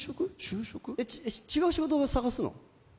違う仕事探すの？